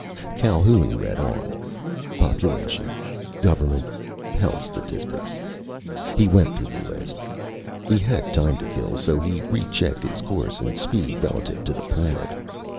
Calhoun read on. Population ... government ... health statistics.... He went through the list. He had time to kill, so he rechecked his course and speed relative to the planet.